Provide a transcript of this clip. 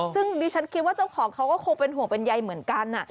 ซึ่งดิฉันคิดว่าเจ้าของเขาก็คงเป็นห่วงเป็นใยเหมือนกัน